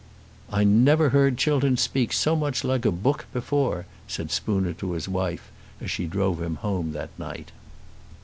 "I never heard Chiltern speak so much like a book before," said Spooner to his wife, as she drove him home that night.